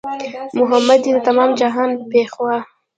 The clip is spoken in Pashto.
محمد دی د تمام جهان پېشوا